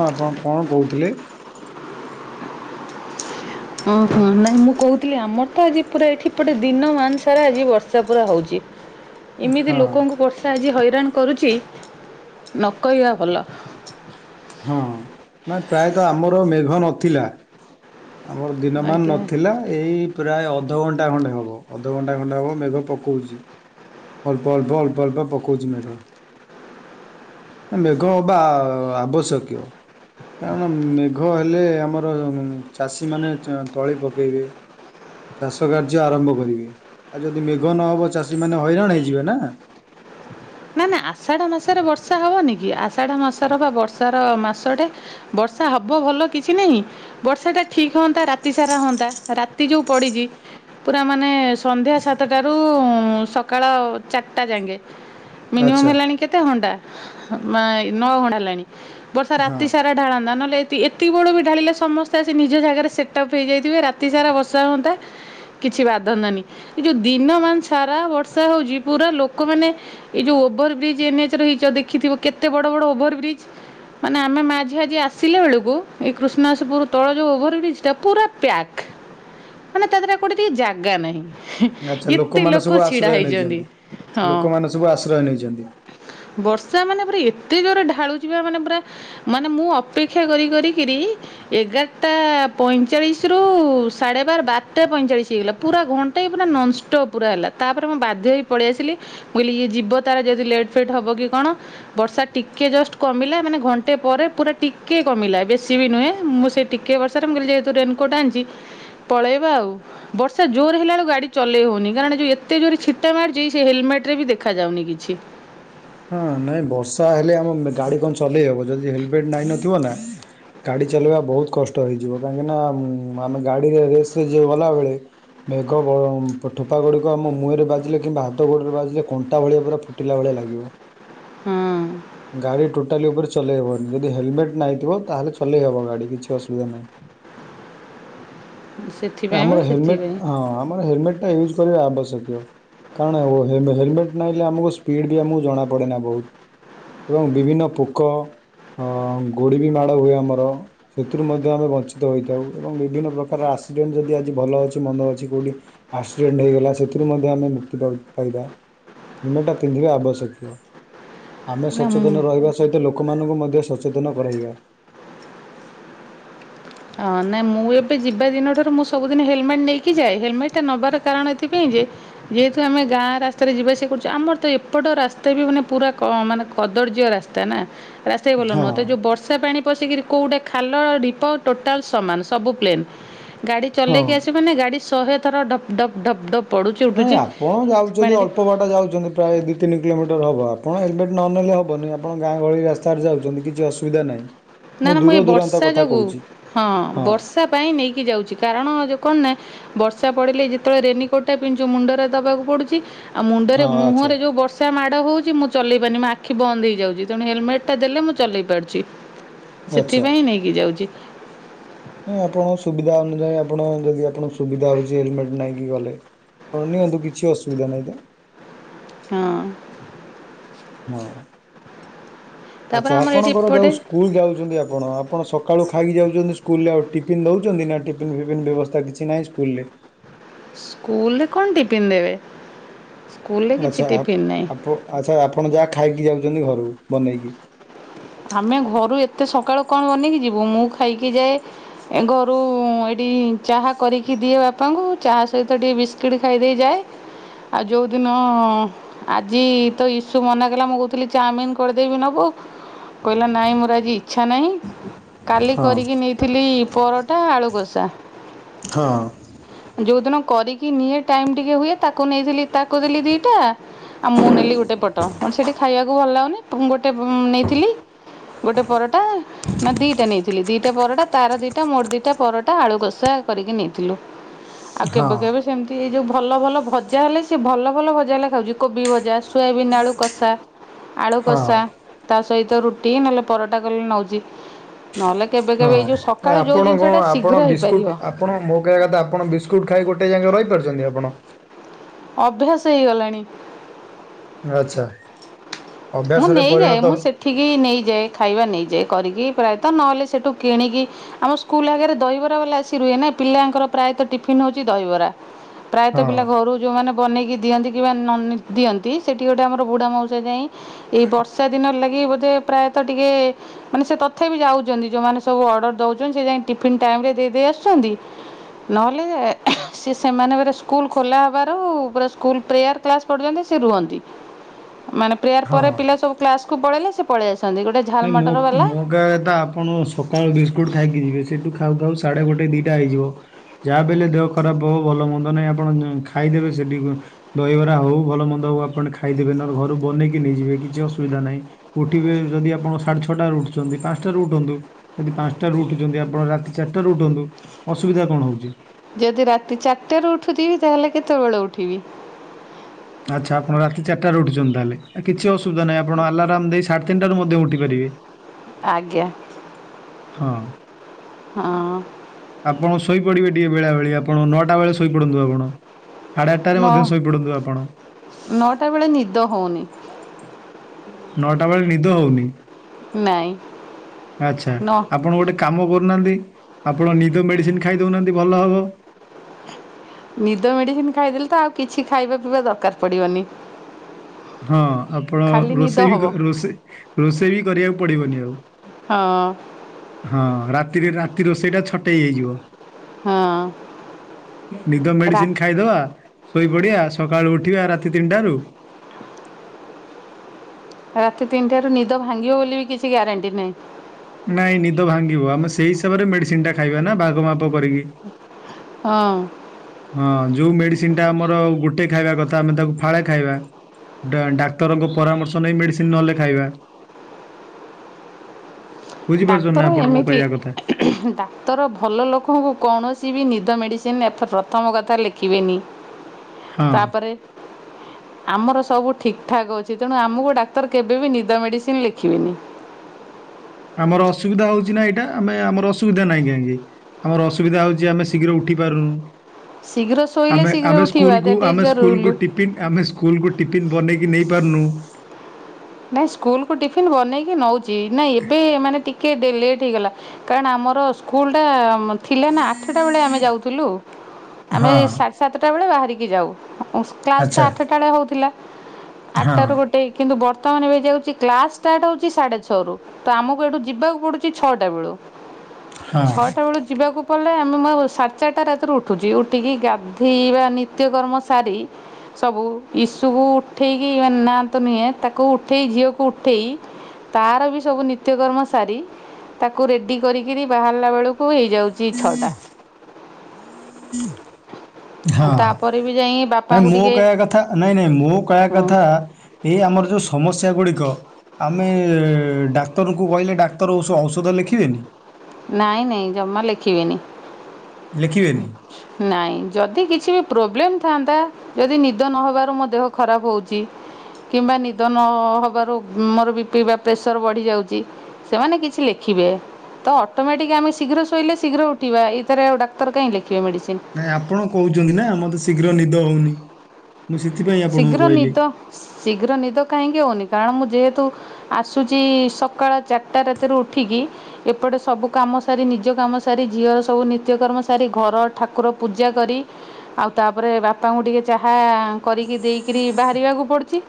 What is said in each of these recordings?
ହଁ ଆପଣ କଣ କହୁଥିଲେ? [inaudible] ଓ ହଁ ନାଇଁ ମୁଁ କହୁଥିଲି ଆମର ତ ଆଜି ପୁରା ଏଇଠି ପଟେ ଦିନ ମାନସାରା ଆଜି ବର୍ଷା ପୁରା ହଉଛି। ଏମିତି ହଁ ଲୋକଙ୍କୁ ବର୍ଷା ଆଜି ହଇରାଣ କରୁଛି, ନ କହିବା ଭଲ। ହଁ ନାଇ ପ୍ରାୟତଃ ଆମର ମେଘ ନଥିଲା। ଆମର ଦିନମାନ ଆଜ୍ଞା। ନଥିଲା। ଏଇ ପ୍ରାୟ ଅଧଘଣ୍ଟା ଖଣ୍ଡେ ହେବ, ଅଧଘଣ୍ଟା ଖଣ୍ଡେ ହେବ ମେଘ ପକଉଛି। ଅଳ୍ପଅଳ୍ପ ଅଳ୍ପଅଳ୍ପ ପକୋଉଛି ମେଘ। ମେଘ ହବା ଆବଶ୍ୟକୀୟ। କାରଣ ମେଘ ହେଲେ ଆମର ଚାଷୀମାନେ ତଳି ପକେଇବେ। ଚାଷ କାର୍ଯ୍ୟ ଆରମ୍ଭ କରିବେ, ଆଉ ଯଦି ମେଘ ନହବ ଚାଷୀ ମାନେ ହଇରାଣ ହେଇଯିବେ ନା? [inaudible] ନା ନା ଆଷାଢ ମାସରେ ବର୍ଷା ହବନି କି, ଆଷାଢ ମାସର ବା ବର୍ଷାର ମାସଟା। ବର୍ଷା ହବ ଭଲ କିଛି ନାହିଁ ବର୍ଷା ଟା ଠିକ ହୁଅନ୍ତା ରାତି ସାରା ହଅନ୍ତା। ରାତି ଯୋଉ ପଡିଛି ପୁରା ମାନେ ସନ୍ଧ୍ୟା ସାତଟାରୁ ସକାଳ ଚାରିଟା ଯାଙ୍କେ। ମିନିମମ୍ ଆଚ୍ଛା ହେଲାଣି କେତେ ଘଣ୍ଟା ନଅ ଘଣ୍ଟା ହେଲାଣି। ବର୍ଷା ହଁ ରାତି ସାରା ଢାଳନ୍ତା। ନହେଲେ ଏତିକି ବଳୁ ବି ଢାଳିଲେ ସମସ୍ତେ ଆସି ନିଜ ଜାଗାରେ ସେଟ୍ଅପ୍ ହେଇଯାଇଥିବେ ରାତି ସାରା ବର୍ଷା ହୁଅନ୍ତା। କିଛି ବାଧନ୍ତାନି। ଏ ଯୋଉ ଦିନ ମାନସାରା ବର୍ଷା ହଉଛି ପୁରା ଲୋକମାନେ ଏଇ ଯେଉଁ ଓଭରବ୍ରିଜ୍ ଏନ୍ଏଚ୍ ହେଇଚ ଦେଖିଥିବ କେତେ ବଡ଼ ବଡ଼ ଓଭରବ୍ରିଜ୍। ମାନେ ଆମେ ମା ଝିଅ ଆଜି ଆସିଲେ ବେଳକୁ ଏଇ କୃଷ୍ଣାସପୁର ତଳ ଯୋଉ ଓଭର ବ୍ରିଜା ପୁରା ପ୍ୟାକ୍। [inaudible] ମାନେ ତା ଦେହରେ କୋଉଠି ଟିକେ ଜାଗା ନାହିଁ। ଆଚ୍ଛା ହି ଏତେ ଲୋକମାନେ ସବୁ ଲୋକ ଛିଡା ଆଶ୍ରୟ ହେଇଛନ୍ତି। ନେଇଛନ୍ତି ହଁ। ଲୋକମାନେ ସବୁ ଆଶ୍ରୟ ନେଇଛନ୍ତି। ବର୍ଷା ମାନେ ପୁରା ଏ ତେ ଯୋରେ ଢାଳୁଛି ବା ମାନେ ପୁରା ମାନେ ମୁଁ ଅପେକ୍ଷା କରି କରିକିରି ଏଗାରଟା ପଇଁଚାଳିଶରୁ ସାଢ଼େ ବାର ବାରଟା ପଇଁଚାଳିଶ ହେଇଗଲା ପୁରା ଘଣ୍ଟାଇ ପୁରା ନନଷ୍ଟପ୍ ପୁରା ହେଲା। ତାପରେ ମୁଁ ବାଧ୍ୟ ହେଇ ପଳେଇ ଆସିଲି। ମୁଁଇଲି ଏ ଯିବ ତାର ଯଦି ଲେଟ୍ ଫେଟ୍ ହବ କି କଣ? ବର୍ଷା ଟିକେ ଜଷ୍ଟ କମିଲେ ମାନେ ଘଣ୍ଟାଏ ପରେ ପୁରା ଟେ ଟିକଏ କମିଲା ବେଶୀ ବି ନୁହେଁ। ମୁଁ ସେ ଟିକେ ବର୍ଷାରେ କହିଲି ଯେହେତୁ ରେନକୋଟ୍ ଆଣିଛି ପଳେଇବା ଆଉ ବର୍ଷା ଜୋର ହେଲା ବେଳୁକୁ ଗାଡି ଚଲେଇ ହଉନି କାରଣ ଯୋଉ ଏତେ ଜୋର ଛିଟା ମାରିଛି ସେ ହେଲମେଟ ରେ ବି ଦେଖ ଦେଖାଯାଉନି କିଛି। ହଁ ନାଇଁ ବର୍ଷା ହେଲେ ଆମ ଗାଡି କଣ ଚଲେଇ ହବ ଯଦି ହେଲମେଟ ନାଇଁ ନଥିବ ନା ଗାଡି ଚଲେଇବା ବହୁତ କଷ୍ଟ ହେଇଯିବ କାହିଁକିନା ଆମେ ଗାଡିରେ ରେସ ରେ ଯେ ଗଲାବେଳେ ମେଘ ଠୋପା ଗୁଡ଼ିକ ଆମ ମୁହଁରେ ବାଜିଲେ କିମ୍ବା ହାତ ଗୋଡ଼ରେ ବାଜିଲେ କଣ୍ଟା ଭଳିଆ ପୁରା ଫୁଟିଲା ଭଳିଆ ଲାଗିବ। ହଁ। ଗାଡ଼ି ଟୋଟାଲି ଉପରେ ଚଲେଇ ହେବନି ଯଦି ହେଲମେଟ୍ ନାଇଥିବ ତାହେଲେ ଚଲେଇହବ ଗାଡ଼ି କିଛି ଅସୁବିଧା ନାହିଁ। [unintelligible] ସେଥିପାଇଁ ବା ଆମର ହେଲମେଟ ସେଥିପାଇଁ ହଁ ଆମର ହେଲମେଟ ଟା ୟୁଜ୍ କରିବା ଆବଶ୍ୟକ। କାରଣ ହେଲମେଟ୍ ନହିଁଲେ ଆମକୁ ସ୍ପିଡ଼୍ ବି ଆମକୁ ଜଣାପଡ଼େନା ବହୁତ। ଏବଂ ବିଭିନ୍ନ ପୋକ ଅ ଗୋଡି ବି ମାଡ଼ ହୁଏ ଆମର ସେଥିରୁ ମଧ୍ୟ ଆମେ ବଞ୍ଚିତ ହୋଇଥାଉ ଏବଂ ବିଭିନ୍ନ ପ୍ରକାର ଆସ୍ ଆକ୍ସିଡେଣ୍ଟ ଯଦି ଆଜି ଭଲ ଅଛି ମନ୍ଦ ଅଛି କେଉଁଠି ଆକ୍ସିଡେଣ୍ଟ ହେଇଗଲା ସେଥିରୁ ମଧ୍ୟ ଆମେ ମୁକ୍ତି ପାଇବା। ମେଟା ପିନ୍ଧିବା ଆବଶ୍ୟକୀୟ ଆମେ ନା ମୁଁ ସଚେତନ ରହିବା ସହିତ ଲୋକମାନଙ୍କୁ ମଧ୍ୟ ସଚେତନ କରାଇବା। ହଁ ନାଇଁ ମୁଁ ଏବେ ଯିବା ଦିନ ଠାରୁ ମୁଁ ସବୁଦିନ ହେଲମେଟ ନେଇକି ଯାଏ ହେଲମେଟ ଟା ନବାର କାରଣ ଏଥିପାଇଁ ଯେ ଯେହେତୁ ଆମେ ଗାଁ ରାସ୍ତାରେ ଯିବା ସେବା କରୁଛୁ ଆମର ତ ଏପଟ ରାସ୍ତା ବି ମାନେ ପୁରା ମାନେ କଦ ଦର୍ଯ୍ୟ ରାସ୍ତା ନା ରାସ୍ତା ଭଲ ହଁ ନୁହଁ ତ ଯୋଉ ବର୍ଷା ପାଣି ପଶିକିରି କୋଉଟେ ଖାଲ ଢିପ ଟୋଟାଲ ସମାନ ସବୁ ପ୍ଲେନ ଗାଡି ହଁ ଚଲେଇକି ଆସିବ ମାନେ ଗାଡି ଶହେ ଥର ଡପ୍ ଡପ୍ ଡପ୍ ଡପ୍ ନାଇଁ ଆପଣ ଯାଉଛନ୍ତି ଅଳ୍ପ ବାଟ ଯାଉଛନ୍ତି ପ୍ରାୟ ଦି ତିନି କିଲୋମିଟର ହବ। ଆପଣ ହେଲମେଟ୍ ନେଲେ ହେବନି ଆପଣ ଗାଁ ଗହଳି ରାସ୍ତାରେ ଯାଉଛନ୍ତି କିଛି ଅସୁବିଧା ନାହିଁ। ନା ନା ମୁଁ ଦୂର ଏଇ ଦୂରାନ୍ତ ବର୍ଷା କଥା ଯୋଗୁ କହୁଛି ହଁ ବର୍ଷା ପାଇଁ ନେଇକି ଯାଉଛି କାରଣ ଯୋଉ କଣ ନା ବର୍ଷା ପଡିଲେ ଯେତେବେଳେ ରେନିକୋଟ୍ ଟା ପିନ୍ଧୁଛୁ ମୁଣ୍ଡରେ ଦବାକୁ ପଡୁଛି। ଆଉ ମୁଣ୍ଡରେ ହଁ ଆଚ୍ଛା ମୁହଁରେ ଯୋଉ ବର୍ଷା ମାଡ଼ ହଉ ମୁଁ ଚଲେଇ ପାରୁନି ମୋ ଆଖି ବନ୍ଦ ହେଇଯାଉଛି ତେଣୁ ହେଲମେଟ୍ଟା ଦେଲେ ମୁଁ ଚଲେଇ ପାରୁଛି। ଆଚ୍ଛା ସେଥିପାଇଁ ନେଇକି ଯାଉଛି ନାଇଁ [inaudible] ଆପଣଙ୍କ ସୁବିଧା ଅନୁଯାୟୀ ଆପଣ ଯଦି ଆପଣ ସୁବିଧା ହେଉଛି ହେଲମେଟ୍ ନଁକି ଗଲେ। ଆପଣ ନିଅନ୍ତୁ କିଛି ଅସୁବିଧା ନାହିଁ ତ। ହଁ [inaudible] ହଁ। ତା'ପରେ ଆଚ୍ଛା ଆମର ଏଇଠି ଆପଣଙ୍କର ଏପଟେ ଯଉ ସ୍କୁଲ ଯାଉଛନ୍ତି ଆପଣ ଆପଣ ସକାଳୁ ଖାଇକି ଯାଉଛନ୍ତି ସ୍କୁଲରେ ଆଉ ଟିଫିନ୍ ଦେଉଛନ୍ତି ନା ଟିଫିନ୍ ଫିଫନ୍ ବ୍ୟବସ୍ଥା କିଛି ନାହିଁ ସ୍କୁଲରେ। ସ୍କୁଲରେ କଣ ଟିଫିନ୍ ଦେବେ। ସ୍କୁଲରେ କିଛି ଆଚ୍ଛା ଟିଫିନ୍ ନାହିଁ ଆପ୍-ଆଚ୍ଛା ଆପଣ ଯାହା ଖାଇକି ଯାଉଛନ୍ତି ଘରକୁ ବନେଇକି। ଆମେ ଘରୁ ଏତେ ସକାଳୁ କଣ ବନେଇକି ଯିବୁ ମୁଁ ଖାଇକି ଯାଏ ଏ ଘରୁ ଚାହା କରିକି ଦିଏ ବାପାଙ୍କୁ ଚାହା ସହିତ ଟିକେ ବିସ୍କୁିଟ୍ ଖାଇ ଦେଇକିଯାଏ। ଆଉ ଯୋଉଦିନ ଆଜି ତ ଇସୁ ମନା କଲା ମୁଁ କହୁଥିଲି ଚାଉମିନ କରିଦେଇବି ନବୁ? [inaudible] କହିଲା ନାଇଁ ମୋର ଆଜି ଇଚ୍ଛା ନାହିଁ କାଲି ହଁ କରିକି ନେଇଥିଲି ପରଟା ଆଳୁକଷ୍ ତା। ହଁ। ଯୋଉ ଦିନ କରିକି ନିଏ ଟାଇମ୍ ଟିକେ ହୁଏ ତାକୁ ନେଇ ତାକୁ ଦେଲି ଦିଟା ଆଉ ମୁଁ ନେଲି ଗୋଟେ। ଏପଟ ସେଇଠି ଖାଇବାକୁ ଭଲ ଲାଗୁନି ଗୋଟେ ନେଇଥିଲି। [inaudible] ଗୋଟେ ପରଟା ନା ଦିଟା ନେଇଥିଲି ଦିଟା ପରଟା ତାର ଦିଟା ମୋର ଦିଟା ପରଟା ଆଳୁ କଷା କରିକି। ନେଇଥିଲୁ ଆଉ ହଁ କେବେ କେବେ ସେମିତି ଏଇ ଯୋଉ ଭଲ ଭଲ ଭଜା ହେଲେ ସିଏ ଭଲ ଭଲ ଭଜା ହେଲେ ଖାଉଛି କୋବି ଭଜା ସୋୟାବିନ୍ ଆଳୁ କଷା। ଆଳୁ ହଁ କଷା ତା ସହିତ ରୁଟି ନହେଲେ ପରଟା କଲେ ନଉଛି। ହଁ ଆପଣ କଣ ଶୀଘ୍ର ଆପଣ ହେଇପାରିବ ବିସ୍କୁଟ ଆପଣ ମୋ କହିବା କଥା ଆପଣ ବିସ୍କୁଟ ଖାଇ ଗୋଟେ ଜାଗା ରହିପାରୁଛନ୍ତି ଆପଣ? ଅଭ୍ୟାସ ହେଇଗଲାଣି। ଆଚ୍ଛା। ମୁଁ ଅଭ୍ୟାସରେ ନେଇଯାଏ ପରିଣତ ମୁଁ ସେଠିକି ନେଇଯାଏ ଖାଇବା ନେଇଯାଏ କରିକି ପ୍ରାୟ ନହେଲେ ସେଠୁ କିଣିକି ଆମ ସ୍କୁଲ ଆଗରେ ଦହିବରା ବାଲା ଆସି ରୁହେ ନା ପିଲାଙ୍କର ପ୍ରାୟତଃ ଟିଫିିନ ହଉଛି ଦହିବରା। ପ୍ରାୟତଃ ହଁ। ପିଲା ଘରୁ ଯେଉଁମାନେ ବନେଇକି ଦିଅନ୍ତି କିମ୍ବା ନ ଦିଅନ୍ତି ସେଠି ଗୋଟେ ଆମର ବୁଢ଼ା ମାଉସା ଯାାଇଁ ଏଇ ବର୍ଷା ଦିନରେ ଲାଗି ବୋଧେ ପ୍ରାୟତଃ ଟିକେ ମାନେ ସେ ତଥାପି ଯାଉଛନ୍ତି ଯୋଉମାନେ ସବୁ ଅର୍ଡ଼ର ଦେଉଛନ୍ତି ସେ ଯାଇ ଟିଫିନ୍ ଟାଇମ ରେ ଦେଇ ଦେଇ ଆସୁଛନ୍ତି। ନହେଲେ ସିଏ ସେମାନେଙ୍କରେ ସ୍କୁଲ ଖୋଲା ହବାରୁ ପୁରା ସ୍କୁଲ ପ୍ରେୟାର କ୍ଲାସ ପୁଛନ୍ତି ସେ ରୁହନ୍ତି ମାନେ ପ୍ରେୟାର ହଁ ପରେ ପିଲା ସବୁ କ୍ଲାସକୁୁ ପଳେଇଲେ ସେ ପଳେଇ ଆସ ନାଇ ମୋ ମୋ କହିବା କଥା ଆପଣ ସକାଳୁ ବିସ୍କୁଟ୍ ଖାଇକି ଯିବେ ସେଇଠୁ ଖାଉ ଖାଉ ସାଢେ ଗୋଟେ ଟେ ଦିଟା ହେଇଯିବ ଯାହା ବି ହେଲେ ଦେହ ଖରାପ ହଉ ଭଲ ମନ୍ଦ ନାହିଁ ଆପଣ ଖାଇଦେବେ ସେଠି ଦହିବରା ହଉ ଭଲ ମନ୍ଦ ଆଉ ଆପଣ ଖାଇଦେବେ ନହଲେ ଘରୁ ବନେଇି ନେଇଯିବେ କିଛି ଅସୁବିଧା ନାହିଁ ଉଠିବେ ଯଦି ଆ ଆପଣ ସାଢେ ଛଅଟାରୁ ଉଠୁଛନ୍ତି ପାଞ୍ଚଟାରୁ ଉଠନ୍ତୁ ଯଦି ପାଞ୍ଚଟାରୁ ଉଠୁଛନ୍ତି ଆପଣ ରାତି ଚାରିଟାରୁ ଉଠନ୍ତୁ। ଅସୁବିଧା କଣ ହଉଛି? ଯଦି ରାତି ଚାରିଟାରୁ ଉଠୁଥିବି ତାହେଲେ କେତେବେଳୁ ଉଠିବି-? ଆଚ୍ଛା ଆପଣ ରାତି ଚାରିଟାରୁ ଉଠୁଛନ୍ତି ତାହେଲେ ଆ କିଛି ଅସୁବିଧା ନାହିଁ ଆପଣ ଆଲାରାମ୍ ଦେଇ ସା ତିନିଟାରୁ ମଧ୍ୟ ଉଠି ପାରିବେ। ଆଜ୍ଞା। ହଁ ହଁ ଆପଣ ଶୋଇପଡିବେ ଟେ ବେଳେବେେଳେ ଆପଣ ନଅଟା ବେଳେ ଶୋଇପଡନ୍ତୁ ଆପଣ। ସାଢେ ଆଠଟାରେ ନଅ ମଧ୍ୟ ଶୋଇପଡନ୍ତୁ ଆପଣ। ନଅଟା ବେଳେ ନିଦ ହଉନି ନଅଟା ବେଳେ ନିଦ ହଉନି। ନାଇଁ ଆଛା ନ ଆପଣ ଗୋଟେ କାମ କ ନାହାନ୍ତି ଆପଣ ନିଦ ମେଡିସିନ ଖାଇଦଉନାହାନ୍ତି ଭଲ ହବ। ନିଦ ମେଡିସିନ ଖାଇଦେଲେ ତ ଆଉ କିଛି ଖାଇବା ପିଇବା ଦରକାର ପଡିବନି। ହଁ ଆପଣ ରୋଷେଇ ହବ ରୋଷେଇ ରୋଷେଇ ବି କରିବାକୁ ପଡିବନି ଆଉ। ହଁ। ହଁ ରାତିରେ ରାତି ରୋଷେଇଟା ଛଟେଇ ହେଇଯିବ। ହଁ ନିଦ ରା ମେଡିସିନ ଖାଇଦବା। ଶୋଇପଡିବା ସକାଳୁ ଉଠିବା ରାତି ତିନିଟାରୁ ରାତି ତିନିଟାରୁ ନିଦ ଭାଙ୍ଗିବ ବୋଲି ବି କିଛି ଗ୍ୟାରେଣ୍ଟି ନାହିଁ। ନାଇଁ ନିଦ ଭାଙ୍ଗିବ ଆମେ ସେଇ ହିସାବରେ ମେଡିସିନ ଟା ଖାଇବା ନା ଭାଘ ମାପ କରିକି ହଁ। ହଁ ଯୋଉ ମେଡିସିନ ଟା ଆମର ଗୋଟେ ଖାଇବା କଥା ଆମେ ତାକୁ ଫାଳେ ଖାଇବା ଡା ଡାକ୍ତରଙ୍କ ପରାମର୍ଶ ନେଇ ମେଡିସିନ ନହେଲେ ଖାଇବା। [inaudible] ନା ଡାକ୍ତର ଆପଣ ମୋ ଏମିତି କହିବା କଥା। ଡାକ୍ତର ଭଲ ଲୋକଙ୍କୁ କୌଣସି କିଛି ବି ନିଦ ମେଡ଼ିସିନ୍ ଏ ପ୍ରଥମ କଥା ଲେଖିବେନି। ହଁ ତାପରେ ଆମର ସବୁ ଠିକ୍ ଠାକ୍ ଅଛି ତେଣୁ ଆମକୁ ଡାକ୍ତର କେବେ ବିି ନିଦ ମେଡ଼ିସିନ ଲେଖିବେନି। ଆମର ଅସୁବିଧା ହଉଛି ନା ଏଇଟା ଆମେ ଆମର ଅସୁବିଧା ନହିଁ କାହିଁକି। ଆମର ଅସୁବିଧା ହଉଛି ଆମେ ଶୀଘ୍ର ଉଠି ପାରୁନୁ। ଶିଘ୍ର ଆମେ ଆମେ ସ୍କୁଲକୁ ଆମେ ସ୍କୁଲକୁ ଟିପିନ ଆମେ ସ୍କୁଲକୁ ଟିଫନ୍ ବନେଇକି ନେଇ ପାରୁନୁ। ନାଇଁ ସ୍କୁଲ କୁ ଟିଫିନ ବନେଇକି ନଉଛି ନାଇ ଏବେ ଏ ମାନେ ଟିକେ ତିକେ ଲେଟ୍ ହେଇଗଲା କାରଣ ଆମର ସ୍କୁଲଟା ଥିଲା ନା ଆଠେଟା ବେଳେ ଆମେ ଯାଉଥିଲୁ। ଆମେ ହଁ ସାଢେ ସାତଟା ବେଳେ ବାହାରିକି ଯାଉ। କ୍ଲାସ ତ ଆଚ୍ଛା ଆଠଟା ବେଳେ ହୋଉଥିଲା ହଁ ଆଠାଟାରୁ ଗୋଟେ କିନ୍ତୁ ବ ର୍ତ୍ତମାନ ବି ହେଇ ଯାଉଚି କ୍ଲାସ୍ ଷ୍ଟାର୍ଟ ହେଉଚି ସାଢ଼େ ଛଅରୁ ତ ଆମକୁ ଏଇଠୁ ଯିବାକୁ ପଡୁଚି ଛଅଟା ବେଳୁ ହଁ ଛଅଟା ବେଳୁ ଯିବାକୁ ପଡିଲେ ଆମେ ସାଢ଼େ ଚାରିଟା ରାତିରୁ ଉଠୁଚି ଉଠିକି ଗାଧେଇବା ନିତ୍ୟକର୍ମ ସାରି ସବୁ ଇସୁକୁ ଉଠେଇକି ମାନ ନାଁଆତ ନୁହେଁ ତାକୁ ଉଠେଇ ଝିଅକୁ ଉଠେଇ ତାର ବି ସବୁ ନିତ୍ୟକର୍ମ ସାରି ତାକୁ ରେଡି କରିକିରି ବାହାରିଲା ବେଳକୁ ହେଇ ଯାଉଚି ଛଅଟା। ଆଉ ହଁ। ତାପରେ ବି ଯା ନାଇଁ ମୁଁ କହିବା କଥା ନାଇଁ ନାଇଁ ମୁଁ କହିବା କଥା ଏଇ ଆମର ଯୋଉ ସମ ସ୍ୟା ଗୁଡିକ ଆମେ ଡାକ୍ତରଙ୍କୁ କହିଲେ ଡାକ୍ତର ଓଷ- ଔଷଧ ଲେଖିବେନି। ନାଇଁ ନାଇଁ ଜମା ଲେଖିବେନି। ଲେଖିବେନି ନାଇଁ ଯଦି କିଛି ବି ପ୍ରୋବ୍ଲେମ ଥାନ୍ତା ଯଦି ନିଦ ନହବାରୁ ମୋ ଦେହ ଖରାପ ହୋଉଚି। କିମ୍ବା ନିଦ ନ ହବାରୁ ମୋର ବି ପି ବା ପ୍ରେସର ବଢ଼ି ଯାଉଚି। ସେମାନେ କିଛି ଲେଖିବେ ତ ତମର ଟିକେ ଆମେ ଶୀଘ୍ର ଶୋଇଲେ ଶୀଘ୍ର ଉଠିବା ଏଥିରେ ଆଉ ଡାକ୍ତର କାହିଁ ଲେ ନାଇଁ ଆପଣ କୋହୁଚନ୍ତି ନା ମତେ ଶୀଘ୍ର ନିଦ ହୋଉନି। ଶୀଘ୍ର ନିଦ ଶୀଘ୍ର ନିଦ କାହିଁକି ହୋଉନି? କାରଣ ମୁଁ ଯେହେତୁ ଆସୁଚି ସକାଳ ଚାରିଟା ରାତିରୁ ଉଠିକି ଏପଟେ ସବୁ କାମ ସାରି ନିଜ କାମ ସାରି ଝିଅର ସବୁ ନିତ୍ୟକର୍ମ ସାରି ଘର ଠାକୁର ପୂଜା କରି ଆଉ ତା ତାପରେ ବାପାଙ୍କୁ ଟିକେ ଚାହା କରିକି ଦେଇକିରି ବାହାରିବାକୁ ପଡୁଚି।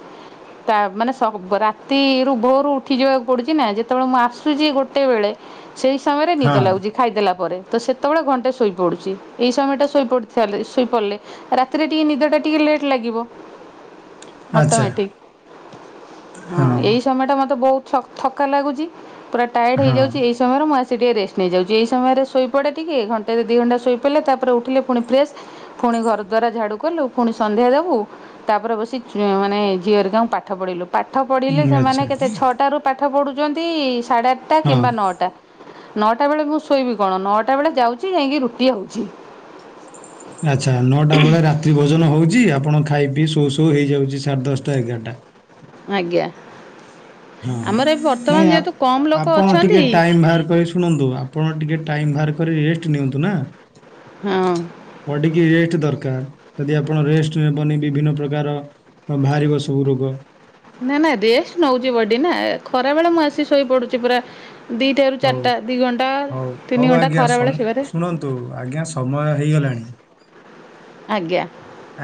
ତା ମାନେ ସବ ରାତିରୁ ଭୋରୁ ଉଠି ଯିବାକୁ ପଡୁଚି ନା ଯେତେବେଳେ ମୁଁ ଆସୁଚି ଗୋଟେ ବେଳେ ସେଇ ସମୟରେ ନିଦ ହଁ ଲାଗୁଚି ଖାଇଦେଲା ପରେ। ତ ସେତେବେଳେ ଘଣ୍ଟେ ଶୋଇପଡୁଚି ଏଇ ସମୟଟା ଶୋଇପଡି ସାରି ଶୋଇପଡିଲେ ରାତିରେ ଟିକେ ନିଦଟା ଟିକେ ଲେଟ୍ ଲାଗିବ ଆଚ୍ଛା ଅଟମେଟିକ। ହଁ ଏଇ ସମୟ ଟା ମତେ ବୋହୁ ତ ଥକା ଲାଗୁଚି। ପୁରା ଟାୟାଡ ହଁ ହେଇଯାଉଚି ଏଇ ସମୟରେ ମୁଁ ଆସି ସେ ଟିକେ ରେଷ୍ଟ ନେଇଯାଉଚି। ଏଇ ସମୟରେ ଶୋଇ ପଡେ ଟିକେ। ଘଣ୍ଟେ ରୁ ଦି ଘଣ୍ଟା ଶୋଇପଡିଲେ ତାପରେ ଉଠିଲେ ପୁଣି ଫ୍ରେସ୍ ଫୁଣି ଘର ଦ୍ବାର ଝାଡୁ କଲୁ। ଫୁଣି ସନ୍ଧ୍ୟା ଦୋବୁ ତାପରେ ବସି ଝି ମାନେ ଝିଅ ହେରିକାଙ୍କୁ ପାଠ ପଢେଇଲୁ। ପାଠ ପଢିଲେ ଉଁ, ସେମାନେ ଆଚ୍ଛା କେତେ ଛଅଟା ରୁ ପାଠ ପଢୁଚନ୍ତି ସାଢେ ଆଠଟା ହଁ କିମ୍ବା ନଅଟା। ନଅଟା ବେଳେ ମୁଁ ଶୋଇବି କଣ ନଅଟା ବେଳେ ଯାଉଚି ଯାଁଇକି ରୁଟି ହୋଉଚି। ଆଚ୍ଛା ନଅଟା ବେଳେ ରାତ୍ରି ଭୋଜନ ହୋଉ ଚି ଆପଣ ଖାଇ ପିଇ ଶୋଉ ଶୋଉ ହେଇଯାଉଚି ସାଢେ ଦଶଟା ଏଗାରଟା। ଆଜ୍ଞା। ହଁ ଆମର ଏ ବର୍ତ୍ତମାନ ନାଇଁ ଯେହେତୁ କମ୍ ଲୋକ ଆପ-ଆପଣ ଟିକେ ଅଛନ୍ତି ଟାଇମ୍ ବାହାର କରି ଶୁଣନ୍ତୁ ଆପଣ ଟିକେ ଟାଇମ୍ ବାହାର କରି ରେଷ୍ଟ ନିଅନ୍ତୁ ନା। ହଁ ବଡିକି ରେଷ୍ଟ ଦର କାର ଯଦି ଆପଣ ରେଷ୍ଟ ନବନି ବିଭିନ୍ନ ପ୍ରକାର ବାହାରିବ ସବୁ ରୋଗ। ନାଁ ନାଁ ରେଷ୍ଟ ନୋଉଚି ବଡି ନା ଖରା ବେଳେ ମୁଁ ଆସି ଶୋଇ ପଡୁଚି ପୁରା ଦିଟାରୁ ହୋଉ ଚାରିଟା ଦି ଘଣ୍ଟା ହୋଉ ତିନି ହୋଉ ଘଣ୍ଟା ଆଜ୍ଞା ଖରାବେଳେ ସମ ଶୋଇବାରେ ଶୁଣନ୍ତୁ ଆଜ୍ଞା ସମୟ ହେଇଗଲା ଣି। ଆଜ୍ଞା।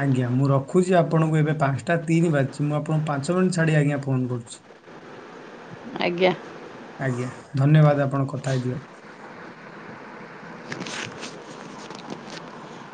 ଆଜ୍ଞା ମୁଁ ରଖୁଚି ଆପଣଙ୍କୁ ଏବେ ପାଞ୍ଚଟା ତିନି ବାଜିଚି। ମୁଁ ଆପଣଙ୍କୁ ପାଞ୍ଚ ମିନିଟ୍ ଛାଡି ଆଜ୍ଞା ଫୋନ କରୁଚି। ଆଜ୍ଞା ଆଜ୍ଞା ଧନ୍ୟବାଦ ଆପଣ କଥା ହେଇଦିଅ।